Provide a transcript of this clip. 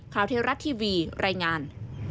เทวรัฐทีวีรายงาน